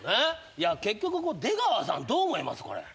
結局出川さんどう思います？